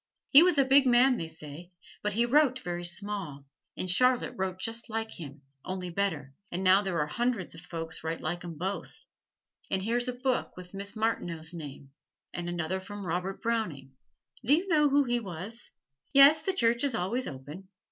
He was a big man they say, but he wrote very small, and Charlotte wrote just like him, only better, and now there are hundreds of folks write like 'em both. Then here's a book with Miss Martineau's name, and another from Robert Browning do you know who he was? Yes, the church is always open.